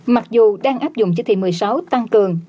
mặc dù đang áp dụng chỉ thị một mươi sáu tăng cường